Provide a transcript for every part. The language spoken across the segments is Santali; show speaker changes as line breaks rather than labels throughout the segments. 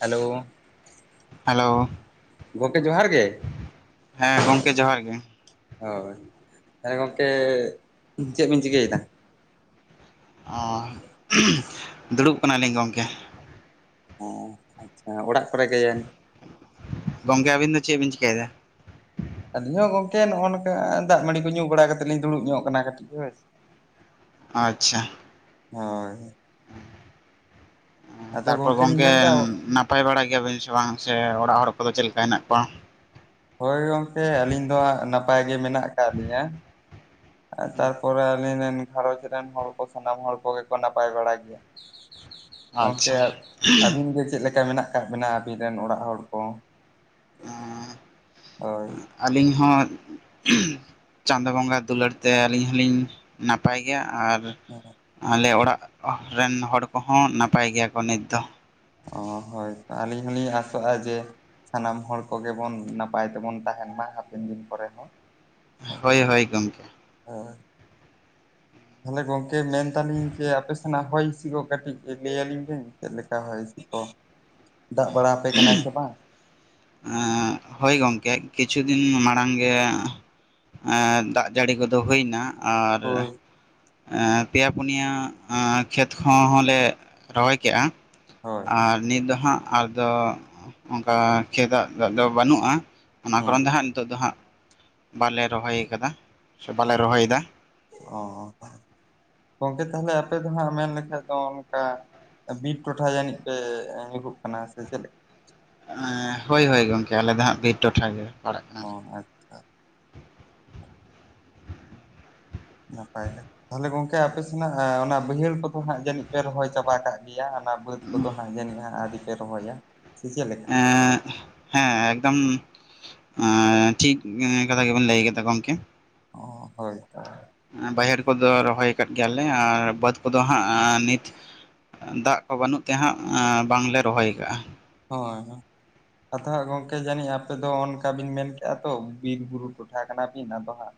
ᱦᱮᱞᱳ᱾
ᱦᱮᱞᱳ᱾
ᱜᱚᱢᱠᱮ ᱡᱚᱦᱟᱨ ᱜᱮ᱾
ᱦᱮᱸ ᱜᱚᱝᱠᱮ ᱡᱚᱦᱟᱨ ᱜᱮ᱾
ᱦᱳᱭ ᱦᱮᱸ ᱜᱚᱝᱠᱮ ᱪᱮᱫ ᱵᱤᱱ ᱪᱤᱠᱟᱹᱭ ᱮᱫᱟ?
ᱚ ᱩᱸᱦᱩᱜ ᱫᱩᱲᱩᱵ ᱠᱟᱱᱟ ᱞᱤᱧ ᱜᱚᱢᱠᱮ᱾
ᱚ ᱟᱪᱪᱷᱟ ᱚᱲᱟᱜ ᱠᱚᱨᱮ ᱜᱮ
ᱜᱚᱝᱠᱮ ᱟᱵᱤᱱ ᱫᱚ ᱪᱮᱫ ᱵᱤᱱ ᱪᱤᱠᱟᱭ ᱫᱟ?
ᱟᱞᱤᱧ ᱦᱚᱸ ᱜᱚᱝᱠᱮ ᱱᱚᱜ-ᱚ ᱱᱚᱝᱠᱟ ᱫᱟᱜ ᱢᱟᱹᱰᱤ ᱠᱚ ᱧᱩ ᱵᱟᱲᱟ ᱠᱟᱛᱮᱫ ᱞᱤᱧ ᱫᱩᱲᱩᱵ ᱧᱚᱜ ᱠᱟᱱᱟ ᱠᱟᱹᱴᱤᱡ ᱦᱳᱭ ᱥᱮ᱾
ᱟᱪᱪᱷᱟ᱾
ᱦᱳᱭ᱾
ᱚ
ᱟᱫᱚ
ᱛᱟᱨᱯᱚᱨᱮ
ᱜᱚᱢᱠᱮ ᱞᱤᱧ
ᱜᱚᱝᱠᱮ
ᱢᱮᱱᱫᱟ
ᱱᱟᱯ ᱯᱟᱭ ᱵᱟᱲᱟ ᱜᱮᱭᱟᱵᱤᱱ ᱥᱮ ᱵᱟᱝ ᱥᱮ ᱚᱲᱟᱜ ᱦᱚᱲ ᱠᱚᱫᱚ ᱪᱮᱫ ᱞᱮᱠᱟ ᱦᱮᱱᱟᱜ ᱠᱚᱣᱟ?
ᱦᱳᱭ ᱜᱚᱝᱠᱮ ᱟᱹᱞᱤᱧ ᱫᱚ ᱦᱟᱜ ᱱᱟᱯᱟᱭ ᱜᱮ ᱢᱮᱱᱟᱜ ᱟᱠᱟᱫ ᱞᱤᱧᱟ᱾ ᱛᱟᱨᱯᱚᱨᱮ ᱟᱞᱤᱧ ᱨᱮᱱ ᱜᱷᱟᱨᱚᱧᱡᱽ ᱨᱮᱱ ᱦᱚᱲ ᱠᱚ ᱥᱟᱱᱟᱢ ᱦᱚᱲ ᱠᱚᱜᱮ ᱠᱚ ᱱᱟᱯᱟᱭ ᱵᱟᱲᱟ ᱜᱮᱭᱟ᱾ ᱜᱚᱝᱠᱮ
ᱟᱪᱪᱷᱟ
ᱟ ᱟᱹᱵᱤᱱ ᱜᱮ ᱪᱮᱫ ᱞᱮᱠᱟ ᱢᱮᱱᱟᱜ ᱠᱟᱜ ᱵᱤᱱᱟ ᱟᱵᱤᱱ ᱨᱮᱱ ᱚᱲᱟᱜ ᱦᱚᱲ ᱠᱚ?
ᱚᱸ᱾
ᱦᱳᱭ᱾
ᱟᱹᱞᱤᱧ ᱦᱚᱸ ᱩᱦᱩᱸᱦ ᱪᱟᱸᱫᱳ ᱵᱚᱸᱜᱟ ᱫᱩᱞᱟᱹᱲ ᱛᱮ ᱟᱹᱞᱤᱧ ᱦᱚᱞᱤᱧ ᱱᱟᱯᱟᱭ ᱜᱮᱭᱟ ᱟᱨ
[unintelligible]
ᱟᱞᱮ ᱚᱲᱟᱜ ᱨᱮᱱ ᱦᱚᱲ ᱠᱚᱦᱚᱸ ᱱᱟᱯᱟᱭ ᱜᱮᱭᱟ ᱠᱚ ᱱᱤᱛ ᱫᱚ᱾
ᱚ ᱦᱳᱭ ᱛᱚ ᱟᱹᱞᱤᱧ ᱦᱚᱞᱤᱧ ᱟᱥᱚᱜᱼᱟ ᱡᱮ ᱥᱟᱱᱟᱢ ᱦᱚᱲ ᱠᱚᱜᱮ ᱵᱚᱱ ᱱᱟᱯᱟᱭ ᱛᱮᱵᱚᱱ ᱛᱟᱦᱮᱱ ᱢᱟ ᱦᱟᱯᱮᱱ ᱫᱤᱱ ᱠᱚᱨᱮ ᱦᱚᱸ᱾
ᱦᱳᱭ ᱦᱳᱭ ᱜᱚᱢᱠᱮ᱾
ᱦᱳᱭ᱾ ᱛᱟᱦᱚᱞᱮ ᱜᱚᱝᱠᱮ ᱢᱮᱱᱫᱟᱞᱤᱧ ᱡᱮ ᱟᱯᱮ ᱥᱮᱱᱟᱜ ᱦᱚᱭ ᱦᱤᱥᱤ ᱠᱟᱹᱴᱤᱡ ᱞᱟᱹᱭ ᱟᱞᱤᱧ ᱵᱤᱱ ᱪᱮᱫ ᱞᱮᱠᱟ ᱦᱚᱭ ᱠᱚ ᱫᱟᱜ ᱵᱟᱲᱟ ᱟᱯᱮ ᱠᱟᱱᱟᱭ ᱥᱮ ᱵᱟᱝ?
ᱮᱸᱜ ᱦᱳᱭ ᱜᱚᱝᱠᱮ ᱠᱤᱪᱷᱩ ᱫᱤᱱ ᱢᱟᱲᱟᱝ ᱜᱮ ᱮᱸᱜ ᱫᱟᱜ ᱡᱟᱲᱤ ᱠᱚᱫᱚ ᱦᱳᱭᱱᱟ, ᱟᱨ
ᱦᱳᱭ
ᱮᱸᱜ ᱯᱮᱭᱟ ᱯᱩᱱᱭᱟ ᱮᱸ ᱠᱷᱮᱛ ᱠᱚᱦᱚᱸᱞᱮ ᱨᱚᱦᱚᱭ ᱠᱮᱜ-ᱟ
ᱦᱳᱭ
ᱟᱨ ᱱᱤᱛ ᱫᱚ ᱦᱟᱸᱜ ᱟᱨ ᱫᱚ ᱚᱱᱠᱟ ᱠᱷᱮᱫᱟᱜ ᱫᱟᱜ ᱫᱚ ᱵᱟᱹᱱᱩᱜᱼᱟ᱾ ᱚᱱᱟ
ᱦᱩᱸ
ᱠᱚᱨᱚᱱ ᱫᱮ ᱦᱟᱸᱜ ᱱᱤᱛᱚᱜ ᱫᱚ ᱦᱟᱸᱜ ᱵᱟᱞᱮ ᱨᱚᱦᱚᱭ ᱟᱠᱟᱫᱟ ᱥᱮ
ᱚ
ᱵᱟᱞᱮ ᱨᱚᱦᱚᱭᱮᱫᱟ ᱾
ᱚ ᱜᱚᱝᱠᱮ ᱛᱟᱦᱚᱞᱮ ᱟᱯᱮ ᱫᱚ ᱦᱟᱸᱜ ᱢᱮᱱ ᱞᱮᱠᱷᱟᱡ ᱫᱚ ᱚᱱᱠᱟ ᱵᱤᱨ ᱴᱚᱴᱷᱟ ᱡᱟᱱᱤᱡ ᱯᱮ ᱧᱩᱨᱦᱩᱜ ᱠᱟᱱᱟ ᱥᱮ ᱪᱮᱫ ᱞᱮ
ᱮᱸᱻ ᱦᱳᱭ ᱦᱳᱭ ᱜᱚᱝᱠᱮ ᱟᱞᱮ ᱫᱚ ᱦᱟᱸᱜ ᱵᱤᱨ ᱴᱚᱴᱷᱟ ᱜᱮᱞᱮ ᱯᱟᱲᱟᱜ
ᱚ
ᱠᱟᱱᱟᱞᱮ᱾
ᱟᱪᱪᱷᱟ ᱱᱟᱯᱟᱭ ᱜᱮ᱾ ᱛᱟᱦᱞᱮ ᱜᱚᱝᱠᱮ ᱟᱯᱮ ᱥᱮᱱᱟᱜ ᱮᱸ ᱚᱱᱟ ᱵᱟᱹᱭᱦᱟᱹᱲ ᱠᱚᱫᱚ ᱦᱟᱸᱜ ᱡᱟᱹᱱᱤᱡ ᱯᱮ ᱨᱚᱦᱚᱭ ᱪᱟᱵᱟ ᱠᱟᱜ ᱜᱮᱭᱟ ᱚᱱᱟ ᱵᱟᱹᱫ ᱠᱚᱫᱚ ᱦᱟᱸᱜ ᱡᱟᱹᱱᱤᱡ ᱦᱟᱸᱜ ᱟᱣᱨᱤ ᱯᱮ ᱨᱚᱦᱚᱭᱟ ᱥᱮ ᱪᱮᱫ ᱞᱮᱠᱟ?
ᱮᱸᱜ ᱦᱮᱸ ᱮᱠᱫᱚᱢ ᱮᱸ ᱴᱷᱤᱠ ᱮᱸ ᱠᱟᱛᱷᱟ ᱜᱮᱵᱮᱱ ᱞᱟᱹᱭ ᱠᱟᱫᱟ ᱜᱚᱝᱠᱮ᱾
ᱚ ᱦᱳᱭ ᱛᱚ᱾
ᱟᱸ ᱵᱟᱭᱦᱟᱹᱲ ᱠᱚᱫᱚ ᱨᱚᱦᱚᱭ ᱠᱟᱜ ᱜᱮᱭᱟᱞᱮ ᱟᱨ ᱵᱟᱹᱫᱽ ᱠᱚᱫᱚ ᱦᱟᱸᱜ ᱱᱤᱛ ᱫᱟᱜ ᱠᱚ ᱵᱟᱹᱱᱩᱜ ᱛᱮ ᱦᱟᱸᱜ ᱵᱟᱝᱞᱮ ᱨᱚᱦᱚᱭ ᱠᱟᱜᱼᱟ᱾
ᱦᱳᱭ ᱦᱳᱭ᱾ ᱟᱫᱚ ᱦᱟᱸᱜ ᱜᱚᱝᱠᱮ ᱡᱟᱹᱱᱤᱡ ᱟᱯᱮ ᱫᱚ ᱚᱱᱠᱟ ᱵᱤᱱ ᱢᱮᱱᱠᱮᱜᱼᱟ ᱛᱚ ᱵᱤᱨ-ᱵᱩᱨᱩ ᱴᱚᱴᱷᱟ ᱠᱟᱱᱟᱵᱤᱱ ᱟᱫᱚ ᱦᱟᱸᱜ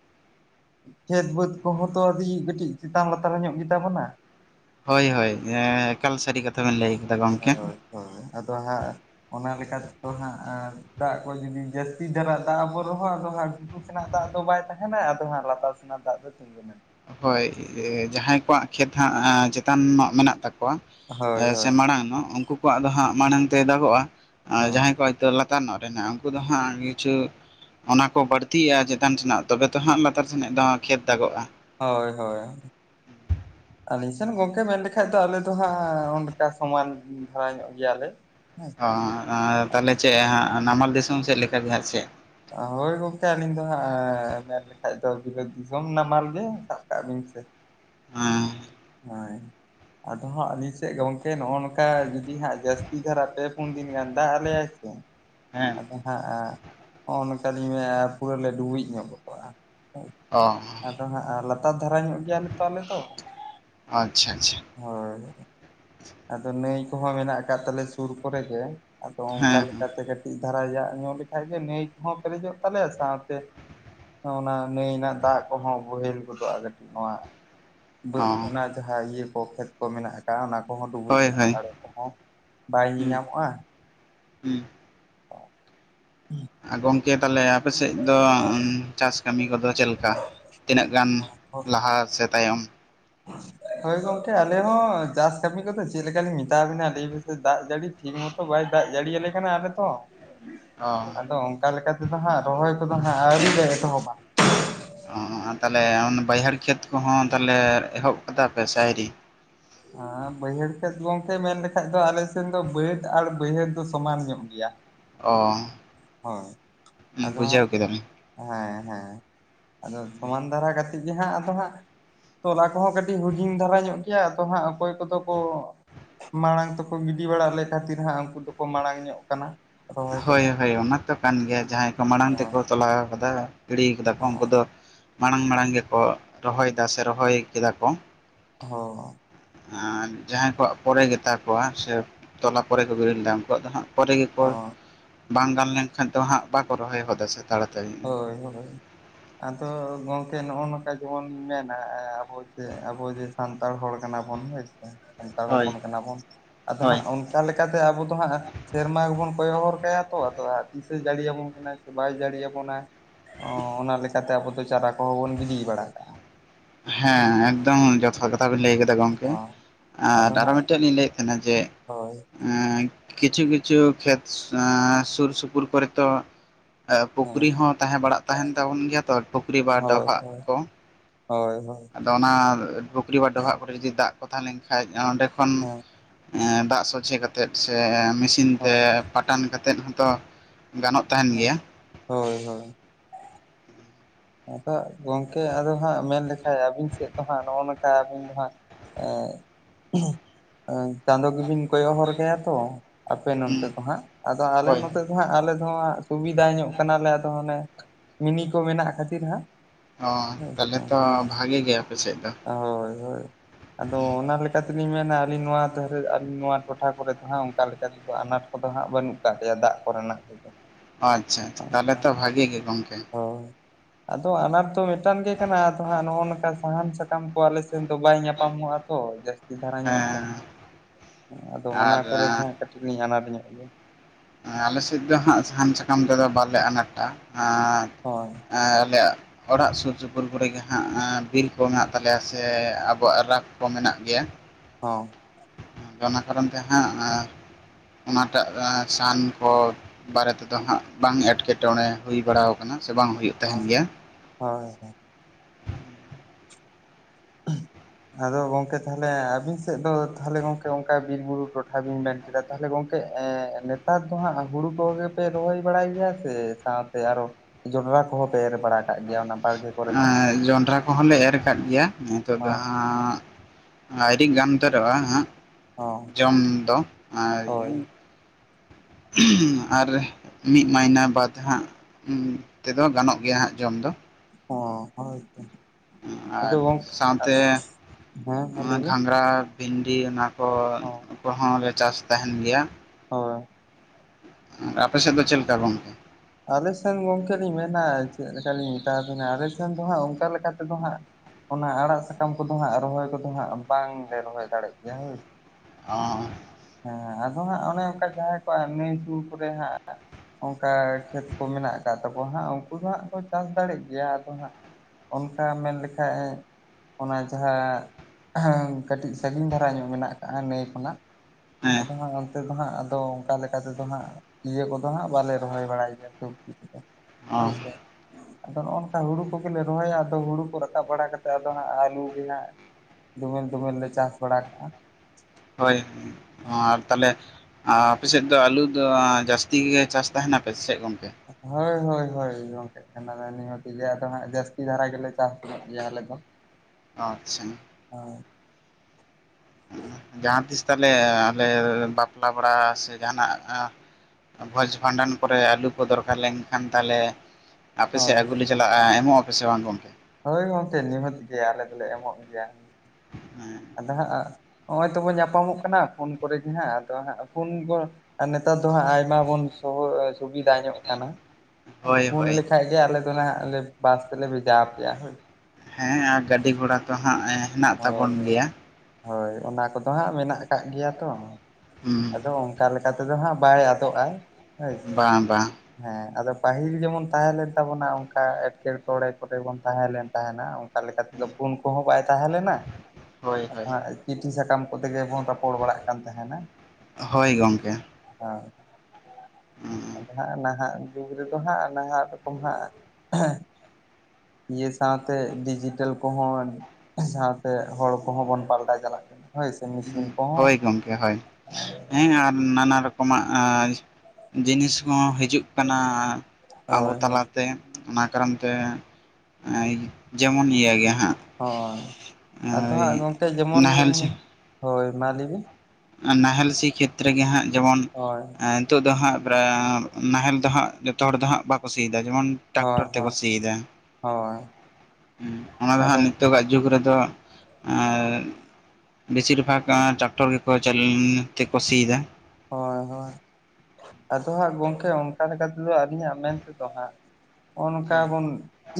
ᱠᱷᱮᱛ-ᱵᱟᱹᱫᱽ ᱠᱚᱦᱚᱸ ᱛᱚ ᱟᱹᱰᱤ ᱠᱟᱹᱴᱤᱡ ᱪᱮᱛᱟᱱ ᱞᱟᱛᱟᱨ ᱧᱚᱜ ᱜᱮᱛᱟ ᱵᱚᱱᱟ ᱾
ᱦᱳᱭ ᱦᱳᱭ ᱮᱸ ᱮᱠᱟᱞ ᱥᱟᱹᱨᱤ ᱠᱟᱛᱷᱟ ᱵᱮᱱ ᱞᱟᱹᱭ [unintelligible]
ᱦᱳᱭ ᱦᱳᱭ ᱟᱫᱚ ᱦᱟᱸᱜ ᱚᱱᱟ ᱞᱮᱠᱟ ᱛᱮᱫᱚ ᱦᱟᱸᱜ ᱫᱟᱜ ᱠᱚ ᱡᱩᱫᱤ ᱡᱟᱹᱥᱛᱤ ᱫᱷᱟᱨᱟ ᱫᱟᱜ ᱟᱵᱚᱱ ᱨᱚᱦᱚᱸᱭ ᱟᱫᱚ ᱦᱟᱸᱜ ᱜᱷᱩᱴᱩ ᱥᱮᱱᱟᱜ ᱫᱟᱜ ᱫᱚ ᱵᱟᱭ ᱛᱟᱦᱮᱱᱟ, ᱟᱫᱚ ᱦᱟᱸᱜ ᱞᱟᱛᱟᱨ ᱥᱮᱱᱟᱜ ᱫᱟᱜ ᱫᱚ ᱛᱤᱜᱩᱱ-ᱟ᱾
ᱦᱳᱭ ᱡᱟᱦᱟᱸᱭ ᱠᱚᱣᱟᱜ ᱠᱷᱮᱛ ᱦᱟᱸᱜ ᱪᱮᱛᱟᱱ ᱱᱟᱜ ᱢᱮᱱᱟᱜ ᱛᱟ ᱠᱚᱣᱟ
ᱦᱳᱭ
ᱥᱮ
ᱦᱳᱭ
ᱢᱟᱲᱟᱝ ᱱᱚᱜ ᱩᱝᱠᱩ ᱠᱚᱣᱟᱜ ᱫᱚ ᱦᱟᱸᱜ ᱢᱟᱲᱟᱝ ᱛᱮ ᱫᱟᱜᱚᱜ-ᱟ, ᱟᱨ
ᱦᱚᱸ
ᱡᱟᱦᱟᱸᱭ ᱠᱚᱣᱟᱜ ᱤᱛᱟᱹ ᱞᱟᱛ [unintelligible] ᱨᱮᱱᱟᱜ ᱩᱝᱠᱩ ᱫᱚ ᱦᱟᱸᱜ ᱠᱤᱪᱷᱩ ᱚᱱᱟ ᱠᱚ ᱵᱟᱹᱲᱛᱤᱜ-ᱟ ᱪᱮᱛᱟᱱ ᱥᱮᱱᱟᱜ, ᱛᱚᱵᱮ ᱛᱚ ᱦᱟᱸᱜ ᱞᱟᱛᱟᱨ ᱥᱮᱱᱟᱜ ᱫᱚ ᱠᱷᱮᱛ ᱫᱟᱹᱜᱚᱜ-ᱟ ᱾
ᱦᱳᱭ ᱦᱳᱭ᱾ ᱟᱹᱞᱤᱧ ᱥᱮᱱ ᱜᱚᱝᱠᱮ ᱢᱮᱱ ᱞᱮᱠᱷᱟᱡ ᱫᱚ ᱟᱞᱮ ᱫᱚ ᱦᱟᱸᱜ [unintelligible] ᱥᱚᱢᱟᱱ ᱫᱷᱟᱨᱟ ᱧᱚᱜ ᱜᱮᱭᱟᱞᱮ ᱾
ᱚ ᱛᱟᱞᱦᱮ ᱪᱮᱫ ᱦᱟᱸᱜ ᱱᱟᱢᱟᱞ ᱫᱤᱥᱚᱢ ᱥᱮᱫ ᱞᱮᱠᱟᱜᱮ [unintelligible] ᱪᱮᱫ?
ᱦᱳᱭ ᱜᱚᱝᱠᱮ ᱟᱹᱞᱤᱧ ᱫᱚ ᱦᱟᱸᱜ ᱢᱮᱱ ᱞᱮᱠᱷᱟᱡ ᱫᱚ ᱵᱤᱞᱟ. ᱛ ᱫᱤᱥᱚᱢ, ᱱᱟᱢᱟᱞ ᱜᱮ ᱥᱟᱵ ᱠᱟᱜ ᱵᱤᱱ ᱥᱮ᱾
[inaudible]
ᱦᱳᱭ᱾ ᱟᱫᱚ ᱦᱟᱸᱜ ᱟᱹᱞᱤᱧ ᱥᱮᱫ ᱜᱚᱝᱠᱮ ᱱᱚᱜᱚ ᱱᱚᱝᱠᱟ ᱡᱩᱫᱤ ᱦᱟᱸᱜ ᱡᱟᱹᱥᱛᱤ ᱫᱷᱟᱨᱟ ᱯᱮ ᱯᱳᱱ ᱫᱤᱱ ᱜᱟᱱ ᱫᱟᱜ ᱟᱞᱮᱟᱭ ᱥᱮ [inaudible]
ᱦᱮᱸ ᱾
[unintelligible] ᱦᱚᱸᱜᱚ ᱱᱚᱝᱠᱟ [unintelligible] ᱯᱩᱨᱟᱹ ᱞᱮ ᱰᱩᱵᱩᱡ ᱧᱚᱜᱚᱠᱚᱜ-ᱟ᱾
ᱚᱸ
ᱟᱫᱚ ᱦᱟᱸᱜ ᱞᱟᱛᱟᱨ ᱫᱷᱟᱨᱟ ᱧᱚᱜ ᱜᱮᱭᱟᱞᱮ ᱛᱚ ᱟᱞᱮ ᱫᱚ᱾
ᱟᱪᱪᱷᱟ ᱟᱪᱪᱷᱟ ᱾
ᱦᱳᱭ᱾ ᱟᱫᱚ ᱱᱟᱹᱭ ᱠᱚᱦᱚᱸ ᱢᱮᱱᱟᱜ ᱟᱠᱟᱫ ᱛᱟᱞᱮᱭᱟ ᱥᱩᱨ ᱠᱚᱨᱮ ᱜᱮ, ᱟᱫᱚ ᱚᱝᱠᱟ
ᱦᱮᱸ
ᱞᱮᱠᱟᱛᱮ [unintelligible] [unintelligible] ᱫᱷᱟᱨᱟ [unintelligible] ᱞᱮᱠᱷᱟᱡ ᱜᱮ ᱱᱟᱹᱭ ᱠᱚᱦᱚ ᱯᱮᱨᱮᱡᱚᱜ ᱛᱟᱞᱮᱭᱟ ᱥᱟᱶᱛᱮ ᱚᱱᱟ ᱱᱟᱹᱭ ᱨᱮᱱᱟᱜ ᱫᱟᱜ ᱠᱚᱦᱚᱸ ᱵᱳᱦᱮᱞ ᱜᱚᱫᱚᱜ-ᱟ ᱠᱟᱹᱴᱤᱡ ᱱᱚᱣᱟ ᱵᱟᱹ
ᱚ
ᱚᱱᱟ ᱡᱟᱦᱟᱸ ᱤᱭᱟᱹ ᱠᱚ ᱠᱷᱮᱛ ᱠᱚ ᱢᱮᱱᱟᱜ ᱟᱠᱟᱜ-ᱟ ᱚᱱᱟ ᱠᱚᱦᱚᱸ ᱰᱩᱵᱩᱡ
ᱦᱳᱭ ᱦᱳᱭ
[unintelligible] ᱟᱲᱮ ᱠᱚᱦᱚᱸ ᱵᱟᱭ
ᱦᱩᱸ
ᱧᱮᱧᱟᱢᱚᱜ-ᱟ᱾
ᱦᱩᱸ
[inaudible]
ᱜᱚᱝᱠᱮ ᱛᱟᱞᱦᱮ ᱟᱯᱮᱥᱮᱫ ᱫᱚ ᱪᱟᱥ ᱠᱟᱹᱢᱤ ᱠᱚᱫᱚ ᱪᱮᱫ ᱞᱮᱠᱟ? ᱛᱤᱱᱟᱹᱜ ᱜᱟᱱ ᱞᱟᱦᱟ ᱥᱮ ᱛᱟᱭᱚᱢ?
ᱦᱳᱭ ᱜᱚᱝᱠᱮ ᱟᱞᱮ ᱦᱚᱸ ᱪᱟᱥ ᱠᱟᱹᱢᱤ ᱠᱚᱫᱚ ᱪᱮᱫ ᱞᱮᱠᱟ ᱞᱤᱧ ᱢᱮᱛᱟ ᱟᱵᱤᱱᱟ ᱞᱟ. ᱭ ᱵᱤᱱ ᱥᱮ ᱫᱟᱜ ᱡᱟᱹᱲᱤ ᱴᱷᱤᱠ ᱢᱚᱛᱚ ᱵᱟᱭ ᱫᱟᱜ ᱡᱟᱹᱲᱤ ᱟᱞᱮ ᱠᱟᱱᱟ ᱟᱞᱮ ᱫᱚ᱾
ᱚ
ᱟᱫᱚ ᱚᱝᱠᱟ ᱞᱮᱠᱟ ᱛᱮᱫᱚ ᱦᱟᱸᱜ ᱨᱚᱦᱚᱭ ᱠᱚᱫᱚ ᱦᱟᱸᱜ ᱟᱹᱣᱨᱤ ᱞᱮ ᱮᱛᱚᱦᱚᱵ-ᱟ᱾
ᱚ ᱛᱟᱞᱦᱮ ᱚᱱᱮ ᱵᱟᱹᱭᱦᱟᱹᱲ ᱠᱷᱮᱛ ᱠᱚᱦᱚᱸ ᱛᱟᱞᱦᱮ ᱮᱦᱚᱵ ᱠᱟᱫᱟ ᱯᱮ ᱥᱮ ᱟᱭᱨᱤ?
ᱮᱸ ᱵᱟᱹᱭᱦᱟᱹᱲ ᱠᱷᱮᱛ ᱜᱚᱝᱠᱮ ᱢᱮᱱ ᱞᱮᱠᱷᱟᱡ ᱫᱚ ᱟᱞᱮ ᱥᱮᱱ ᱫᱚ ᱵᱟᱹᱫᱽ ᱟᱨ ᱵᱟᱹᱭᱦᱟᱹᱲ ᱫᱚ ᱥᱚᱢᱟᱱ ᱧᱚᱜ ᱜᱮᱭᱟ᱾
ᱚ
ᱦᱳᱭ ᱟᱫᱚ ᱦᱟᱸᱜ
ᱵᱩᱡᱷᱟᱹᱣ ᱠᱮᱫᱟ ᱞᱤᱧ᱾
ᱦᱮᱸ ᱦᱮᱸ ᱟᱫᱚ ᱥᱚᱢᱟᱱ ᱫᱷᱟᱨᱟ ᱠᱟᱛᱮᱜ ᱜᱮ ᱦᱟᱸᱜ ᱟᱫᱚ ᱦᱟᱸᱜ ᱛᱚᱞᱟ ᱠᱚᱦᱚᱸ ᱠᱟᱴᱤᱡ ᱦᱩᱰᱤᱧ ᱫᱷᱟᱨᱟ ᱧᱚᱜ ᱜᱮᱭᱟ, ᱟᱫᱚ ᱦᱟᱸᱜ ᱚᱠᱚᱭ ᱠᱚᱫᱚ ᱠᱚ ᱢᱟᱲᱟᱝ ᱛᱮᱠᱚ ᱜᱤᱰᱤ ᱵᱟᱲᱟ ᱞᱮ ᱠᱷᱟᱹᱛᱤᱨ ᱦᱟᱸᱜ ᱩᱝᱠᱩ ᱫᱚᱠᱚ ᱢᱟᱲᱟᱝ ᱧᱚᱜ ᱠᱟᱱᱟ ᱨᱚᱦᱚᱭ
ᱦᱳᱭ
ᱠᱚᱫᱚ
ᱦᱳᱭ ᱚᱱᱟ ᱛᱚ ᱠᱟᱱ ᱜᱮᱭᱟ ᱡᱟᱦᱟᱸᱭ ᱠᱚ ᱢᱟᱲᱟᱝ
ᱦᱳᱭ
ᱛᱮᱠᱚ ᱛᱚᱞᱟᱣ ᱠᱟᱫᱟ ᱜᱤᱲᱤ ᱠᱟᱫᱟ ᱠᱚ ᱩᱝᱠᱩ ᱫᱚ ᱢᱟᱲᱟᱝ ᱢᱟᱲᱟᱝ ᱜᱮᱠᱚ ᱨᱚᱦᱚᱭ ᱫᱟ ᱥᱮ ᱨᱚᱦᱚᱭ ᱠᱮᱫᱟ ᱠᱚ᱾
ᱦᱳ
ᱟᱨ ᱡᱟᱦᱟᱸᱭ ᱠᱚᱣᱟᱜ ᱯᱚᱨᱮ ᱜᱮᱛᱟ ᱠᱚᱣᱟ, ᱥᱮ ᱛᱚᱞᱟ ᱯᱚᱨᱮ ᱠᱚ ᱜᱤᱲᱤ ᱞᱮᱫᱟ ᱩᱝᱠᱩᱣᱟᱜ ᱫᱚ ᱦᱟᱸᱜ ᱯᱚᱨᱮ ᱜᱮᱠᱚ ᱵᱟᱝ ᱜᱟᱱ ᱞᱮᱱ ᱠᱷᱟᱱ ᱫᱚ ᱦᱟᱸᱜ ᱵᱟᱠᱚ ᱨᱚᱦᱚᱭ ᱦᱚᱫᱟ ᱥᱮ ᱛᱟᱲᱟᱛᱟᱲᱤ᱾
ᱦᱳᱭ ᱦᱳᱭ᱾ ᱟᱫᱚ ᱜᱚᱝᱠᱮ ᱱᱚᱜᱼᱚ ᱱᱚᱝᱠᱟ ᱡᱮᱢᱚᱱᱤᱧ ᱢᱮᱱᱟ ᱟᱵᱚ ᱡᱮ ᱟᱵᱚ ᱡᱮ ᱥᱟᱱᱛᱟᱲ ᱦᱚᱲ ᱠᱟᱱᱟᱵᱚᱱ ᱦᱳᱭ ᱥᱮ ᱥᱟᱱᱛᱟᱲ ᱦᱚᱯᱚᱱ
ᱦᱳᱭ
ᱠᱟᱱᱟᱵᱚᱱ ᱟᱫᱚ ᱦᱟᱸᱜ
ᱦᱳᱭ
ᱚᱱ ᱠᱟ ᱞᱮᱠᱟᱛᱮ ᱟᱵᱚ ᱫᱚ ᱦᱟᱸᱜ ᱥᱮᱨᱢᱟ ᱜᱮᱵᱚᱱ ᱠᱚᱭᱚᱜ ᱦᱚᱨ ᱠᱟᱭᱟ ᱛᱚ ᱟᱫᱚ ᱛᱤᱥᱮ ᱡᱟᱹᱲᱤᱭᱟ ᱵᱚᱱ ᱠᱟᱱᱟᱭ ᱥᱮ ᱵᱟᱭ ᱡᱟᱹᱲᱤᱭᱟ ᱵᱚᱱᱟᱭ, ᱚᱱᱟ ᱞᱮᱠᱟᱛᱮ ᱟᱵᱚ ᱫᱚ ᱪᱟᱨᱟ ᱠᱚᱦᱚᱸ ᱵᱚᱱ ᱜᱤᱰᱤ ᱵᱟᱲᱟ ᱠᱟᱜᱼᱟ᱾
ᱦᱮᱸ ᱮᱠᱫᱚᱢ ᱡᱚᱛᱷᱟᱛ ᱠᱟᱛᱷᱟ ᱵᱤᱱ ᱞᱟᱹᱭ ᱠᱮᱫᱟ ᱜᱚᱝ ᱠᱮ,
ᱦᱳᱭ ᱟᱫᱚ
ᱟᱨ ᱟᱨᱚ
ᱦᱟᱸᱜ
ᱢᱤᱫᱴᱮᱡ ᱞᱤᱧ ᱞᱟᱹᱭᱮᱫ ᱛᱟᱦᱮᱱᱟ ᱡᱮ
ᱦᱳᱭ
ᱮᱸ ᱠᱤᱪᱷᱩ ᱠᱤᱪᱷᱩ ᱠᱷᱮᱛ ᱮᱸ ᱥᱩᱨ ᱥᱩᱯᱩᱨ ᱠᱚᱨᱮ ᱛᱚ ᱯᱩᱠᱷᱨᱤ
ᱦᱮᱸ
ᱦᱚᱸ ᱛᱟᱦᱮᱸ ᱵᱟᱲᱟᱜ ᱛᱟᱦᱮᱱ ᱛᱟᱵᱚᱱ ᱜᱮᱭᱟ ᱛᱚ ᱯᱩᱠᱷᱨᱤ ᱵᱟ
ᱦᱳᱭ
ᱰᱚᱵᱷᱟᱜ
ᱦᱳᱭ
ᱠᱚ᱾
ᱦᱳᱭ ᱦᱳᱭ᱾
ᱟᱫᱚ ᱚᱱᱟ ᱯᱩᱠᱷᱨᱤ ᱵᱟ ᱰᱚᱵᱷᱟᱜ ᱠᱚᱨᱮ ᱡᱩᱫᱤ ᱫᱟᱜ ᱠᱚ ᱛᱟᱦᱮᱸ ᱞᱮᱱᱠᱷᱟᱡ ᱚᱸᱰᱮ ᱠᱷᱚᱱ
ᱦᱮᱸ
ᱮᱸ ᱫᱟᱜ ᱥᱚᱡᱷᱮ ᱠᱟᱛᱮᱫ ᱥᱮ ᱢᱮᱥᱤᱱ ᱛᱮ
ᱦᱳᱭ
ᱯᱟᱴᱟᱱ ᱠᱟᱛᱮᱫ ᱦᱚᱸᱛᱚ ᱜᱟᱱᱚᱜ ᱛᱟᱦᱮᱱ
ᱦᱳᱭ
ᱜᱮᱭᱟ
ᱦᱳᱭ᱾ ᱟᱫᱚ ᱜᱚᱝᱠᱮ ᱟᱫᱚ ᱦᱟᱸᱜ ᱢᱮᱱ ᱞᱮᱠᱷᱟᱡ ᱟᱵᱤᱱ ᱥᱮᱫ ᱫᱚ ᱦᱟᱸᱜ ᱱᱚᱜᱼᱚ ᱱᱚᱝᱠᱟ ᱟᱵᱤᱱ ᱫᱚ ᱦᱟᱸᱜ ᱮ ᱪᱟᱸᱫᱳ ᱜᱮᱵᱤᱱ ᱠᱚᱭᱚᱜ ᱦᱚᱨ ᱠᱟᱭᱟ ᱛᱚ᱾ ᱟᱯᱮ
ᱦᱩᱸ
ᱱᱚᱱᱛᱮ ᱫᱚ ᱦᱟᱸᱜ, ᱟᱫᱚ ᱟᱞᱮ
ᱦᱳᱭ
ᱱᱚᱛᱮ ᱫᱚ ᱦᱟᱸᱜ ᱟᱞᱮ ᱫᱚ ᱦᱟᱸᱜ ᱥᱩᱵᱤᱫᱟ ᱧᱚᱜ ᱠᱟᱱᱟᱞᱮ ᱟᱫᱚ ᱚᱱᱮ ᱢᱤᱱᱤ ᱠᱚ ᱢᱮᱱᱟᱜ ᱠᱷᱟᱛᱤᱨ ᱦᱟᱸᱜ᱾
ᱚ ᱛᱟᱞᱦᱮ ᱛᱚ ᱵᱷᱟᱜᱮ ᱜᱮ ᱟᱯᱮ ᱥᱮᱫ ᱫᱚ᱾
ᱦᱳᱭ ᱦᱳᱭ᱾ ᱟᱫᱚ ᱚᱱᱟ ᱞᱮᱠᱟ ᱛᱮᱞᱤᱧ ᱢᱮᱱᱟ ᱟᱹᱞᱤᱧ ᱱᱚᱣᱟ ᱫᱷᱟᱨᱮ ᱟᱹᱞᱤᱧ ᱱᱚᱣᱟ ᱴᱚᱴᱷᱟ ᱠᱚᱨᱮ ᱫᱚ ᱦᱟᱸᱜ ᱚᱱᱠᱟ ᱞᱮᱠᱟ ᱛᱮᱫᱚ ᱟᱱᱟᱴ ᱠᱚᱫᱚ ᱦᱟᱸᱜ ᱵᱟᱹᱱᱩᱜ ᱠᱟᱜ ᱞᱮᱭᱟ ᱫᱟᱜ ᱠᱚᱨᱮᱱᱟᱜ ᱛᱮᱫᱚ᱾
ᱟᱪᱪᱷᱟ ᱟᱪᱪᱷᱟ ᱛᱟᱦᱞᱮ ᱛᱚ ᱵᱷᱟᱜᱮ ᱜᱮ ᱜᱚᱝᱠᱮ᱾
ᱦᱳᱭ ᱟᱫᱚ ᱟᱱᱟᱴ ᱫᱚ ᱢᱤᱫᱴᱟᱱ ᱜᱮ ᱠᱟᱱᱟ ᱟᱫᱚ ᱦᱟᱸᱜ ᱱᱚᱜᱼᱚ ᱱᱚᱝᱠᱟ ᱥᱟᱦᱟᱱ ᱥᱟᱠᱟᱢ ᱠᱚ ᱟᱞᱮ ᱥᱮᱱ ᱫᱚ ᱵᱟᱭ ᱧᱟᱯᱟᱢᱚᱜᱼᱟ ᱛᱚ ᱡᱟᱹᱥᱛᱤ ᱫᱷᱟᱨᱟ ᱧᱚᱜ ᱫᱚ᱾
ᱦᱮᱸ
ᱟᱫᱚ ᱚᱱᱟ
ᱟᱨ
ᱠᱚᱨᱮ ᱠᱷᱟᱸᱜ ᱠᱟᱹᱴᱤᱡ ᱞᱤᱧ ᱟᱱᱟᱴ ᱧᱚᱜ ᱜᱮᱭᱟ᱾
ᱟᱞᱮ ᱥᱮᱫ ᱫᱚ ᱦᱟᱸᱜ ᱥᱟᱦᱟᱱ ᱥᱟᱠᱟᱢ ᱛᱮᱫᱚ ᱵᱟᱞᱮ ᱟᱱᱟᱴᱟ ᱟᱨ
ᱦᱳᱭ᱾
ᱦᱮᱸ ᱟᱞᱮᱭᱟᱜ ᱚᱲᱟᱜ ᱥᱩᱨ ᱥᱩᱯᱩᱨ ᱠᱚᱨᱮ ᱜᱮ ᱦᱟᱸᱜ ᱵᱤᱨ ᱠᱚ ᱢᱮᱱᱟᱜ ᱛᱟᱞᱮᱭᱟ ᱥᱮ ᱟᱵᱚᱣᱟᱜ ᱨᱟᱯᱷ ᱠᱚ ᱢᱮᱱᱟᱜ ᱜᱮᱭᱟ᱾
ᱦᱚᱸ᱾
ᱜᱟᱱᱟ ᱠᱟᱨᱚᱱ ᱛᱮ ᱦᱟᱸᱜ ᱚᱱᱟᱴᱟᱜ ᱥᱟᱱ ᱠᱚ ᱵᱟᱨᱮ ᱛᱮᱫᱚ ᱦᱟᱸᱜ ᱵᱟᱝ ᱮᱸᱴᱠᱮᱴᱚᱬᱮ ᱦᱩᱭ ᱵᱟᱲᱟᱣ ᱠᱟᱱᱟ ᱥᱮ ᱵᱟᱝ ᱦᱩᱭᱩᱜ
ᱦᱚᱸ
ᱛᱟᱦᱮᱱ ᱜᱮᱭᱟ
ᱦᱳᱭ ᱦᱳᱭ᱾ ᱟᱫᱚ ᱜᱚᱝᱠᱮ ᱛᱟᱦᱞᱮ ᱟᱵᱤᱱ ᱥᱮᱫ ᱫᱚ ᱛᱟᱦᱞᱮ ᱜᱚᱝᱠᱮ ᱚᱱᱠᱟ ᱵᱤᱨ ᱵᱩᱨᱩ ᱴᱚᱴᱷᱟ ᱵᱤᱱ ᱢᱮᱱ ᱠᱮᱫᱟ ᱛᱟᱦᱞᱮ ᱜᱚᱝᱠᱮ ᱮᱸ ᱱᱮᱛᱟᱨ ᱫᱚ ᱦᱟᱸᱜ ᱦᱩᱲᱩ ᱠᱚᱜᱮᱯᱮ ᱨᱚᱦᱚᱭ ᱵᱟᱲᱟᱭ ᱜᱮᱭᱟ ᱥᱮ ᱥᱟᱶᱛᱮ ᱟᱨᱚ ᱡᱚᱱᱰᱨᱟ ᱠᱚᱦᱚᱸ ᱯᱮ ᱮᱨ ᱵᱟᱲᱟ ᱠᱟᱜ ᱜᱮᱭᱟ ᱚᱱᱟ? ᱵᱟᱲᱜᱮ ᱠᱚᱨᱮ ᱫᱚ
ᱮᱸ ᱡᱚᱱᱰᱨᱟ ᱠᱚᱦᱚᱸᱞᱮ ᱮᱨ ᱠᱟᱜ ᱜᱮᱭᱟ ᱱᱤᱛᱚᱜ ᱫᱚ
ᱦᱚᱸ
ᱦᱟᱸᱜ ᱟᱹᱣᱨᱤ ᱜᱟᱱ ᱩᱛᱟᱹᱨᱚᱜᱼᱟ ᱦᱟᱸᱜ
ᱦᱚᱸ
ᱡᱚᱢ ᱫᱚ᱾ ᱟᱨ
ᱦᱳᱭ
ᱟᱨ ᱢᱤᱫ ᱢᱟᱭᱱᱟᱹ ᱵᱟᱫ ᱦᱟᱸᱜ ᱛᱮᱫᱚ ᱜᱟᱱᱚᱜ ᱜᱮᱭᱟ ᱦᱟᱸᱜ ᱡᱚᱢ ᱫᱚ᱾
ᱚ ᱦᱳᱭ᱾
ᱟᱨ ᱥᱟᱶᱛᱮ
ᱦᱮᱸ ᱢᱟ ᱞᱟᱹᱭ ᱵᱤᱱ
ᱜᱷᱟᱸᱜᱨᱟ, ᱵᱷᱤᱱᱰᱤ ᱚᱱᱟ ᱠᱚ
ᱦᱚᱸ
ᱠᱚᱦᱚᱸ ᱞᱮ ᱪᱟᱥ ᱛᱟᱦᱮᱱ ᱜᱮᱭᱟ᱾
ᱦᱳᱭ᱾
ᱟᱨ ᱟᱯᱮ ᱥᱮᱫ ᱫᱚ ᱪᱮᱫ ᱞᱮᱠᱟ ᱜᱚᱝᱠᱮ?
ᱟᱞᱮ ᱥᱮᱱ ᱜᱚᱝᱠᱮ ᱞᱤᱧ ᱢᱮᱱᱟ ᱪᱮᱫ ᱞᱮᱠᱟᱞᱤᱧ ᱢᱮᱛᱟᱣᱟᱵᱮᱱᱟ ᱟᱞᱮ ᱥᱮᱱ ᱫᱚ ᱦᱟᱸᱜ ᱚᱱᱠᱟ ᱞᱮᱠᱟ ᱛᱮᱫᱚ ᱦᱟᱸᱜ ᱚᱱᱟ ᱟᱲᱟᱜ ᱥᱟᱠᱟᱢ ᱠᱚᱫᱚ ᱦᱟᱸᱜ ᱨᱚᱦᱚᱭ ᱠᱚᱫᱚ ᱦᱟᱸᱜ ᱵᱟᱝᱞᱮ ᱨᱚᱦᱚᱭ ᱫᱟᱲᱮᱜ ᱜᱮᱭᱟ ᱦᱳᱭ᱾
ᱚᱸ᱾
ᱦᱮᱸ ᱟᱫᱚ ᱦᱟᱸᱜ ᱚᱱᱮ ᱚᱱᱠᱟ ᱡᱟᱦᱟᱸᱭ ᱠᱚᱣᱟᱜ ᱱᱟᱭ ᱥᱩᱨ ᱠᱚᱨᱮ ᱦᱟᱸᱜ ᱚᱱᱠᱟ᱾ ᱠᱷᱮᱛ ᱠᱚ ᱢᱮᱱᱟᱜ ᱟᱠᱟᱫ ᱛᱟᱠᱚᱣᱟ ᱦᱟᱸᱜ ᱩᱱᱠᱩ ᱫᱚ ᱦᱟᱸᱜ ᱠᱚ ᱪᱟᱥ ᱫᱟᱲᱮᱜ ᱜᱮᱭᱟ ᱟᱫᱚ ᱦᱟᱸᱜ᱾ ᱚᱱᱠᱟ ᱢᱮᱱ ᱞᱮᱠᱷᱟᱡ᱾ ᱚᱱᱟ ᱡᱟᱦᱟᱸ ᱠᱟᱹᱴᱤᱡ ᱥᱟᱺᱜᱤᱧ ᱫᱷᱟᱨᱟ ᱧᱚᱜ ᱢᱮᱱᱟᱜ ᱟᱠᱟᱜᱼᱟ ᱱᱟᱹᱭ ᱠᱷᱚᱱᱟᱜ᱾
ᱦᱮᱸ
ᱟᱫᱚ ᱦᱟᱸᱜ ᱚᱱᱛᱮ ᱫᱚ ᱦᱟᱸᱜ ᱟᱫᱚ ᱚᱱᱠᱟ ᱞᱮᱠᱟᱛᱮᱫᱚ ᱦᱟᱸᱜ ᱤᱭᱟᱹ ᱠᱚᱫᱚ ᱦᱟᱸᱜ ᱵᱟᱞᱮ ᱨᱚᱦᱚᱭ ᱵᱟᱲᱟᱭ᱾
ᱚ
ᱦᱳᱭ ᱥᱮ᱾ ᱟᱫᱚ ᱱᱚᱜᱼ ᱱᱚᱝᱠᱟ ᱦᱩᱲᱩ ᱠᱚᱜᱮᱞᱮ ᱨᱚᱦᱚᱭᱟ ᱟᱫᱚ ᱦᱩᱲᱩ ᱠᱚ ᱨᱟᱠᱟᱵ ᱵᱟᱲᱟ ᱠᱟ ᱠᱟᱛᱮᱮᱫ ᱟᱫᱚ ᱦᱟᱸᱜ ᱟᱹᱞᱩ ᱜᱮ ᱦᱟᱸᱜ᱾ ᱫᱚᱢᱮᱞ ᱫᱚᱢᱮᱞ ᱞᱮ ᱪᱟᱥ ᱵᱟᱲᱟ ᱠᱟᱜᱼᱟ᱾
ᱦᱳᱭ
ᱦᱮᱸ
ᱟᱨ᱾ ᱛᱟᱦᱚᱞᱮ ᱟᱯᱮᱥᱮᱫ ᱫᱚ ᱟᱹᱞᱩ ᱫᱚ ᱡᱟᱹᱥᱛᱤ ᱜᱮ ᱪᱟᱥ ᱛᱟᱦᱮᱱᱟᱯᱮ ᱥᱮ ᱪᱮᱫ ᱜᱚᱢᱠᱮ?
ᱦᱳᱭ ᱦᱳᱭ ᱦᱳᱭ ᱜᱚᱢᱠᱮ᱾ [unintelligible] ᱟᱫᱚ ᱦᱟᱸᱜ ᱡᱟᱹᱥᱛᱤ ᱫᱷᱟᱨᱟ ᱜᱮᱞᱮ ᱪᱟᱥ ᱧᱚᱜ ᱜᱮᱭᱟ ᱟᱞᱮ ᱫᱚ᱾
ᱟᱪᱷᱟ᱾
ᱟ
ᱡᱟᱦᱟᱸ ᱛᱤᱥ ᱛᱟᱞᱮ ᱟᱞᱮ ᱵᱟᱯᱞᱟ ᱵᱟᱲᱟ ᱥᱮ ᱡᱟᱦᱟᱱᱟᱜ᱾ ᱵᱷᱚᱡᱽ ᱵᱷᱟᱸᱰᱟᱱ ᱠᱚᱨᱮ ᱟᱹᱞᱩ ᱠᱚ ᱫᱚᱨᱠᱟᱨ ᱞᱮᱱᱠᱷᱟᱱ ᱛᱟᱦᱚᱞᱮ, ᱟᱯᱮ ᱥᱮᱫ
ᱦᱳᱭ
ᱟᱹᱜᱩ ᱞᱮ ᱪᱟᱞᱟᱜᱼᱟ ᱮᱢᱚᱜᱼᱟ ᱯᱮ ᱥᱮ ᱵᱟᱝ ᱜᱚᱢᱯᱮ?
ᱦᱳᱭ ᱜᱚᱢᱠᱮ ᱱᱤᱦᱟᱹᱛ ᱜᱮᱭᱟ ᱟᱞᱮ ᱫᱚᱞᱮ ᱮᱢᱚᱜ ᱜᱮᱭᱟ᱾ ᱟᱫᱚ ᱦᱟᱸᱜ ᱱᱚᱜᱼᱚᱭ ᱛᱚᱵᱚᱱ ᱧᱟᱯᱟᱢᱚᱜ ᱠᱟᱱᱟ ᱯᱷᱳᱱ ᱠᱚᱨᱮ ᱜᱮ ᱦᱟᱸᱜ ᱟᱫᱚ ᱦᱟᱸᱜ ᱯᱷᱳᱱ ᱠᱚ᱾ ᱟᱨ ᱱᱮᱛᱟᱨ ᱫᱚ ᱦᱟᱸᱜ ᱟᱭᱢᱟ ᱵᱚᱱ ᱥᱚᱦ ᱥᱩᱵᱤᱫᱷᱟ ᱧᱚᱜ ᱠᱟᱱᱟ᱾
ᱦᱳᱭ
ᱯᱷᱳᱱ
ᱦᱳᱭ
ᱞᱮᱠᱷᱟᱡ ᱜᱮ ᱟᱞᱮ ᱫᱚ ᱱᱟᱦᱟᱜ ᱞᱮ ᱵᱟᱥ ᱛᱮᱞᱮ ᱨᱤᱡᱟᱵᱷᱭᱟ ᱦᱳᱭ᱾
ᱦᱮᱸ ᱟᱨ ᱜᱟᱹᱰᱤ ᱜᱷᱚᱲᱟ ᱛᱚ ᱦᱟᱸᱜ ᱦᱮᱱᱟᱜ᱾
ᱦᱳᱭ
ᱛᱟᱵᱚᱱ ᱜᱮᱭᱟ
ᱦᱳᱭ ᱚᱱᱟ ᱠᱚᱫᱚ ᱦᱟᱸᱜ ᱢᱮᱱᱟᱜ ᱟᱠᱟᱫ ᱜᱮᱭᱟ ᱛᱚ᱾
ᱦᱩᱸ
ᱟᱫᱚ ᱚᱱᱠᱟ ᱞᱮᱠᱟ ᱛᱮᱫᱚ ᱦᱟᱸᱜ ᱵᱟᱭ ᱟᱫᱚᱜᱼᱟ ᱦᱳᱭ ᱥᱮ᱾
ᱵᱟᱝ ᱵᱟᱝ
ᱦᱮᱸ ᱟᱫᱚ ᱯᱟᱹᱤᱞ ᱡᱮᱢᱚᱱ ᱛᱟᱦᱮᱸ ᱞᱮᱱ ᱛᱟᱵᱚᱱᱟ ᱚᱱᱠᱟ ᱮᱴᱠᱮᱴᱚᱬᱮ ᱠᱚᱨᱮ ᱵᱚᱱ ᱛᱟᱦᱮᱸ ᱞᱮᱱ ᱛᱟᱦᱮᱱᱟ᱾ ᱚᱠᱟ ᱞᱮᱠᱟ ᱛᱮᱫᱚ ᱯᱩᱱ ᱠᱚᱦᱚᱸ ᱵᱟᱭ ᱛᱟᱦᱮᱸ ᱞᱮᱱᱟ᱾
ᱦᱳᱭ ᱦᱳᱭ
ᱪᱤᱴᱷᱤ ᱥᱟᱠᱟᱢ ᱠᱚᱛᱮᱜᱮ ᱵᱚᱱ ᱨᱚᱯᱚᱲ ᱵᱟᱲᱟᱜ ᱠᱟᱱ ᱛᱟᱦᱮᱱᱟ᱾
ᱦᱳᱭ ᱜᱚᱢᱠᱮ᱾
ᱦᱮ᱾ ᱱᱟᱦᱟᱜ ᱡᱩᱜᱽ ᱨᱮᱫᱚ ᱦᱟᱸᱜ ᱱᱟᱦᱟᱜ ᱨᱚᱠᱚᱢ ᱦᱟᱸᱜ᱾ ᱤᱭᱟᱹ ᱥᱟᱶᱛᱮ ᱰᱤᱡᱤᱴᱮᱞ ᱠᱚᱦᱚᱸ᱾ ᱥᱟᱶᱛᱮ ᱦᱚᱲ ᱠᱚᱦᱚᱸ ᱵᱚᱱ ᱯᱟᱞᱴᱟᱣ ᱪᱟᱞᱟᱜ ᱠᱟᱱᱟ᱾ ᱦᱳᱭ ᱥᱮ ᱢᱮᱥᱤᱱ ᱠᱚᱦᱚᱸ
ᱦᱳᱭ ᱜᱚᱝᱭᱠᱮ ᱦᱳᱭ
ᱦᱳᱭ
ᱦᱮᱸ᱾ ᱱᱟᱱᱟ ᱨᱚᱠᱚᱢᱟᱜ ᱡᱤᱱᱤᱥ ᱠᱚᱦᱚᱸ ᱦᱤᱡᱩᱜ ᱠᱟᱱᱟᱟᱨ᱾ ᱟᱵᱚ
ᱦᱳᱭ
ᱛᱟᱞᱟᱛᱮ ᱚᱱᱟ ᱠᱟᱨᱚᱱ ᱛᱮ ᱡᱮᱢᱚᱱ ᱤᱭᱟᱹ ᱜᱮ ᱦᱟᱸᱜ
ᱦᱳᱭ ᱟᱫᱚ ᱦᱟᱸᱜ ᱜᱚᱢᱠᱮ ᱡᱮᱢᱚᱱ
ᱱᱟᱦᱮᱞ
ᱞᱤᱧ ᱦᱳᱭ ᱮᱢᱟᱞᱤᱧᱵᱤᱱ᱾
ᱱᱟᱦᱮᱞ ᱥᱤ ᱠᱷᱮᱛᱨᱮ ᱜᱮ ᱦᱟᱸᱜ ᱡᱮᱢᱚᱱ,
ᱦᱳᱭ
ᱱᱤᱛᱚᱜ ᱫᱚ ᱦᱟᱸᱜ ᱱᱟᱦᱮᱞ ᱫᱚ ᱦᱟᱸᱜ ᱡᱚᱛᱚ ᱦᱚᱲ ᱫᱚ ᱦᱟᱸᱜ ᱵᱟ ᱠᱩᱥᱤᱭᱫᱟ ᱡᱮᱢᱚᱱ᱾
ᱦᱳᱭ
ᱴᱟᱠᱴᱚᱨ ᱛᱮᱠᱚ
ᱦᱳᱭ
ᱥᱤᱭᱟ
ᱦᱳᱭ
ᱚᱱᱟ ᱫᱚ
ᱟᱫᱚ
ᱦᱟᱜ- ᱱᱤᱛᱚᱜᱟᱜ ᱡᱩᱜᱽ ᱨᱮᱫᱚ ᱵᱮᱥᱤᱨ ᱵᱷᱟᱜᱽ ᱴᱨᱟᱠᱴᱚᱨ ᱜᱮ- ᱠᱚ ᱪᱟᱞ ᱛᱮᱠᱚ ᱥᱤ ᱮᱫᱟ।
ᱦᱳᱭ ᱦᱳᱭ, ᱟᱫᱚ ᱦᱟᱸᱜ ᱜᱚᱢᱠᱮ ᱚᱱᱠᱟ ᱞᱮᱠᱟ ᱛᱮᱫᱚ, ᱟᱹᱞᱤᱧᱟᱜ ᱢᱮᱱ ᱛᱮᱫᱚ ᱦᱟᱸᱜ ᱼᱼ ᱦᱚᱸᱜᱼᱚ ᱱᱚᱝᱠᱟ ᱵᱚᱱ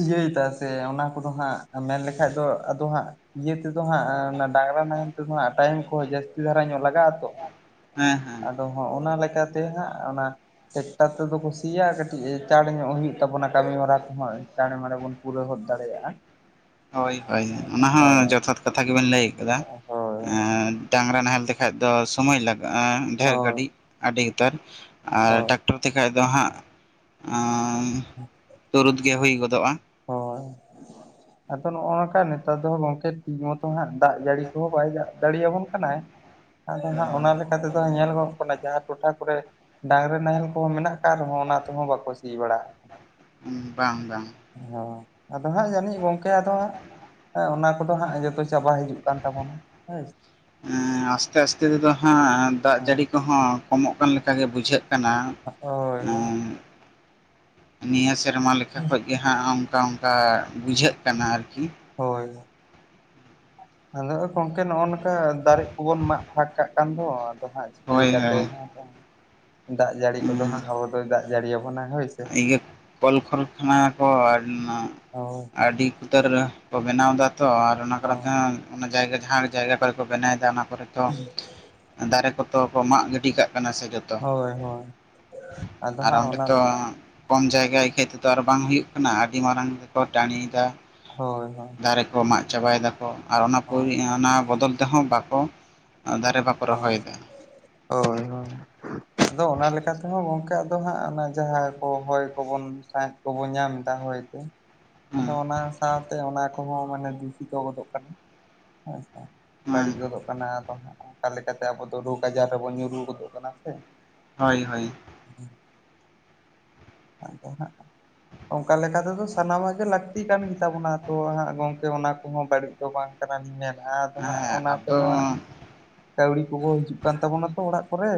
ᱤᱭᱟᱹᱭᱫᱟ ᱥᱮ। ᱚᱱᱟ ᱠᱚᱫᱚ ᱦᱟᱸᱜ ᱢᱮᱱ ᱞᱮᱠᱷᱟ ᱫᱚ, ᱟᱫᱚ ᱦᱟᱸᱜ ᱼᱼ ᱤᱭᱟᱹ ᱛᱮᱫᱚ ᱦᱟᱸᱜ, ᱚᱱᱟ ᱰᱟᱝᱨᱟ ᱱᱟᱦᱮᱞ ᱛᱮᱫᱚ ᱦᱟᱸᱜ, ᱴᱟᱭᱤᱢ ᱠᱚᱦᱚᱸ ᱡᱟᱹᱥᱛᱤ ᱫᱷᱟᱨᱟ ᱧᱚᱜ ᱞᱟᱜᱟᱜᱼᱟ ᱛᱚ।
ᱦᱮᱸ ᱦᱮᱸ
ᱟᱫᱚ ᱦᱚᱸᱜ ᱚᱱᱟ ᱞᱮᱠᱟᱛᱮ ᱦᱟᱸᱜ, ᱚᱱᱟ ᱼᱼ ᱴᱮᱠᱴᱟᱨ ᱛᱮᱫᱚ ᱠᱚ ᱥᱤᱭᱟ। ᱠᱟᱹᱴᱤᱡ ᱪᱟᱬᱮ ᱧᱚᱜ ᱦᱩᱭᱩᱜ ᱛᱟᱵᱚᱱᱟ᱾ ᱠᱟᱹᱢᱤ ᱦᱚᱨᱟ ᱠᱚᱦᱚᱸ। ᱪᱟᱬᱮ ᱢᱟᱲᱮ ᱵᱚᱱ ᱼᱼ ᱯᱩᱨᱟᱹᱣ ᱦᱚᱫ ᱫᱟᱲᱮᱭᱟᱜᱼᱟ।
ᱦᱳᱭ ᱦᱳᱭ, ᱚᱱᱟ ᱦᱚᱸ
ᱦᱳᱭ
ᱡᱚᱛᱷᱟᱛ ᱠᱟᱛᱷᱟ ᱜᱮᱵᱮᱱ ᱞᱟᱹᱭ ᱟᱠᱟᱫᱟ।
ᱦᱳᱭ
ᱮ ᱼᱼ ᱰᱟᱝᱨᱟ ᱱᱟᱦᱮᱞ ᱞᱮᱠᱷᱟᱡ ᱫᱚ ᱥᱳᱚᱢᱚᱭ ᱞᱟᱜᱼᱟ, ᱰᱷᱮᱨ
ᱦᱳᱭ
ᱜᱷᱟᱹᱲᱤᱡ, ᱟᱹᱰᱤ ᱩᱛᱟᱹᱨ। ᱟᱨ
ᱦᱳᱭ
ᱴᱟᱠᱴᱚᱨ ᱼᱼ ᱛᱮᱠᱟᱡ ᱫᱚ ᱦᱟᱸᱜ, ᱟᱸᱻ, ᱛᱩᱨᱩᱫ ᱜᱮ ᱦᱩᱭ ᱜᱚᱫᱚᱜᱼᱟ।
ᱦᱳᱭ। ᱟᱫᱚ ᱱᱚᱜᱼᱚᱭ ᱱᱚᱝᱠᱟ ᱱᱮᱛᱟᱨ ᱫᱚ ᱜᱚᱝᱠᱮ ᱴᱷᱤᱠ ᱢᱚᱛᱚ ᱦᱟᱸᱜ ᱫᱟᱜ ᱡᱟᱹᱲᱤ ᱠᱚᱦᱚᱸ, ᱵᱟᱭ ᱫᱟᱜ ᱫᱟᱲᱤᱭᱟᱵᱚᱱ ᱠᱟᱱᱟᱭ। ᱟᱫᱚ ᱦᱟᱸᱜ ᱚᱱᱟ ᱞᱮᱠᱟ ᱛᱮᱫᱚ, ᱧᱮᱞᱚᱜᱚᱜ ᱼᱼ ᱠᱟᱱᱟ, ᱡᱟᱦᱟᱸ ᱴᱚᱴᱷᱟ ᱠᱚᱨᱮ ᱰᱟᱝᱨᱟ ᱱᱟᱦᱮᱞ ᱠᱚᱦᱚᱸ ᱢᱮᱱᱟᱜ ᱟᱠᱟᱫ ᱨᱮᱦᱚᱸ, ᱚᱱᱟ ᱛᱮᱦᱚᱸ ᱵᱟᱠᱚ ᱥᱤ ᱵᱟᱲᱟ ᱼᱼ
ᱩ ᱵᱟᱝ ᱵᱟᱝ।
ᱦᱩᱸ, ᱟᱫᱚ ᱦᱟᱸᱜ ᱡᱟᱹᱱᱤᱡ ᱜᱚᱝᱠᱮ, ᱟᱫᱚ ᱦᱟᱸᱜ ᱼᱼ ᱦᱮᱸ ᱚᱱᱟ ᱠᱚᱫᱚ ᱦᱟᱸᱜ ᱡᱚᱛᱚ ᱪᱟᱵᱟ ᱦᱤᱡᱩᱜ ᱠᱟᱱ ᱛᱟᱵᱚᱱᱟ। ᱦᱮᱸᱼᱼ
ᱮᱸᱻ ᱟᱥᱛᱮ ᱟᱥᱛᱮ ᱛᱮᱫᱚ ᱦᱟᱸᱜ, ᱫᱟᱜ ᱡᱟᱹᱲᱤ ᱠᱚᱦᱚᱸ ᱠᱚᱢᱚᱜ ᱠᱟᱱ ᱞᱮᱠᱟ ᱜᱮ ᱵᱩᱡᱷᱟᱹᱜ ᱠᱟᱱᱟ।
ᱦᱳᱭ ᱦᱳᱭ।
ᱮᱸ ᱱᱤᱭᱟᱹ ᱥᱮᱨᱢᱟ ᱞᱮᱠᱟ ᱠᱷᱚᱡ ᱜᱮ ᱦᱟᱸᱜ ᱚᱝᱠᱟ ᱚᱝᱠᱟ ᱵᱩᱡᱷᱟᱹᱜ ᱠᱟᱱᱟ ᱟᱨᱠᱤ।
ᱦᱳᱭ। ᱟᱫᱚ ᱜᱚᱢᱠᱮ ᱱᱚᱜᱼᱚ ᱱᱚᱝᱠᱟ ᱫᱟᱨᱮ ᱠᱚᱵᱚᱱ ᱢᱟᱜ ᱯᱷᱟᱸᱠ ᱠᱟᱜ ᱠᱟᱱ ᱫᱚ। ᱟᱫᱚ ᱦᱟᱸᱜ ᱼᱼ ᱪᱤᱠᱟᱹ
ᱦᱳᱭ
ᱞᱮᱠᱟᱛᱮ,
ᱦᱳᱭ
ᱫᱟᱜ ᱡᱟᱹᱲᱤ ᱠᱚᱫᱚ ᱦᱟᱸᱜ ᱟᱵᱚ ᱫᱚᱭ ᱫᱟᱜ ᱡᱟᱹᱲᱤᱭᱟᱵᱚᱱᱟ ᱦᱳᱭ ᱥᱮ?
ᱤᱭᱟᱹ, ᱠᱚᱞ ᱠᱷᱚᱨᱚᱪ ᱢᱟ ᱠᱚ
ᱦᱳᱭ
[unintelligible] ᱟᱹᱰᱤ ᱩᱛᱟᱹᱨ ᱼᱼ ᱠᱚ ᱵᱮᱱᱟᱣ ᱫᱟ ᱛᱚ। ᱟᱨ ᱚᱱᱟ ᱠᱚᱟᱨᱚᱱ
ᱦᱳᱭ
ᱛᱮ ᱚᱱᱟ ᱡᱟᱭᱜᱟ ᱡᱟᱦᱟᱸ ᱡᱟᱭᱜᱟ ᱠᱚᱨᱮ ᱠᱚ ᱵᱮᱱᱟᱣᱮᱫᱟ, ᱚᱱᱟ ᱠᱚᱨᱮ ᱼᱼ ᱫᱚ, ᱫᱟᱨᱮ ᱠᱚᱫᱚ ᱠᱚ ᱢᱟᱜ ᱜᱤᱰᱤ ᱠᱟᱜ ᱠᱟᱱᱟ ᱥᱮ ᱡᱷᱚᱛᱚ?
ᱦᱳᱭ ᱦᱳᱭ। ᱟᱫᱚ
ᱟᱨ
ᱦᱟᱸᱜ
ᱚᱸᱰᱮ
ᱚᱱᱟ
ᱛᱚ
ᱼᱼ
ᱠᱚᱢ ᱡᱟᱭᱜᱟ ᱟᱹᱠᱷᱟᱹᱡ ᱛᱮᱫᱚ ᱟᱨ ᱵᱟᱝ ᱦᱤᱡᱩᱜ ᱠᱟᱱᱟ। ᱟᱹᱰᱤ ᱢᱟᱨᱟᱝ ᱛᱮᱠᱚ ᱴᱟᱺᱬᱤᱭᱮᱫᱟ।
ᱦᱳᱭ ᱦᱳᱭ।
ᱫᱟᱨᱮ ᱠᱚ ᱢᱟᱜ ᱪᱟᱵᱟᱭ ᱫᱟᱠᱚ। ᱟᱨ ᱚᱱᱟ
ᱦᱳᱭ
[unintelligible] ᱵᱚᱫᱚᱞ ᱛᱮᱦᱚᱸ ᱰᱟᱠᱚ, ᱫᱟᱨᱮ ᱵᱟᱠᱚ ᱼᱼ
ᱚ, ᱳᱭ ᱦᱳᱭ। ᱟᱫᱚ ᱚᱱᱟ ᱛᱮᱦᱚᱸ ᱜᱚᱝᱠᱮ ᱟᱫᱚ ᱦᱟᱸᱜ ᱚᱱᱟ ᱡᱟᱦᱟᱸ ᱠᱚ ᱦᱚᱭ ᱠᱚᱵᱚᱱ ᱫ [unintelligible] ᱼᱼ ᱠᱚᱵᱚ ᱧᱟᱢ ᱫᱟ ᱦᱚᱭᱛᱮ। ᱟᱫᱚ
ᱦᱮᱸ
ᱚᱱᱟ ᱥᱟᱶᱛᱮ ᱚᱱᱟ ᱠᱚᱦᱚᱸ ᱢᱟᱱᱮ ᱫᱩᱥᱤᱛᱚ ᱜᱚᱫᱚᱜ ᱠᱟᱱᱟ ᱦᱳᱭᱥᱮ।
ᱦᱮᱸ
ᱵᱟᱹᱲᱤᱡ ᱜᱚᱫᱚᱜ ᱠᱟᱱᱟ। ᱟᱫᱚ ᱦᱟᱸᱜ ᱚᱱᱠᱟ ᱞᱮᱠᱟᱛᱮ ᱟᱵᱚ ᱫᱚ ᱨᱳᱜᱽ ᱟᱡᱟᱨ ᱨᱮᱵᱚᱱ ᱧᱩᱨᱩ ᱜᱚᱫᱚᱜ ᱠᱟᱱᱟ ᱥᱮ?
ᱦᱳᱭ ᱦᱳᱭ।
ᱟᱫᱚ ᱦᱟᱸᱜ ᱼᱼ ᱚᱝᱠᱟ ᱞᱮᱠᱟ ᱛᱮᱫᱚ ᱥᱟᱱᱟᱢᱟᱜ ᱜᱮ ᱞᱟᱹᱠᱛᱤ ᱠᱟᱱ ᱜᱮ ᱛᱟᱵᱚᱱᱟ। ᱛᱚ ᱦᱟᱸᱜ ᱜᱚᱝᱠᱮ ᱚᱱᱟ ᱠᱚᱦᱚᱸ ᱵᱟᱹᱲᱤᱡ ᱫᱚ ᱵᱟᱝ ᱼᱼ ᱠᱟᱱᱟ ᱞᱤᱧ ᱢᱮᱱᱟ। ᱟᱫᱚ ᱦᱟᱸᱜ
ᱦᱮᱸ
ᱚᱱᱟ
ᱟᱫᱚ
ᱛᱮᱦᱚᱸ ᱦᱟᱸᱜ ᱼᱼ ᱠᱟᱹᱣᱰᱤ ᱠᱚ ᱦᱚᱸ ᱦᱤᱡᱩᱜ ᱠᱟᱱ ᱛᱟᱵᱚᱱᱟ ᱛᱚ ᱚᱲᱟᱜ ᱠᱚᱨᱮ।